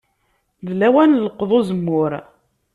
D lawan n leqḍ uzemmur.